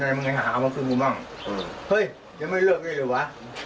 มึงไงหามาช่วยกูบ้างเฮ้ยยังไม่เริ่มได้เลยว่ะ